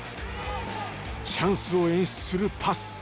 チャンスを演出するパス。